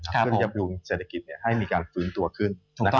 เพื่อยับยุงเศรษฐกิจให้มีการฟื้นตัวขึ้น